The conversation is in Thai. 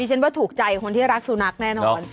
ก็รู้คนที่รักสุนัขแน่นอน